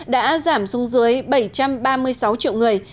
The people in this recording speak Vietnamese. đã giảm xuống dưới bảy trăm ba mươi sáu triệu người